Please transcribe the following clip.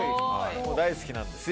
大好きなんで。